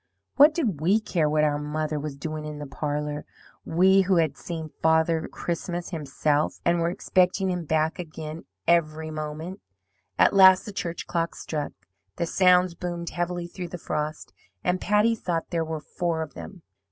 What did we care what our mother was doing in the parlour? we, who had seen Old Father Christmas himself, and were expecting him back again every moment! "At last the church clock struck. The sounds boomed heavily through the frost, and Patty thought there were four of them.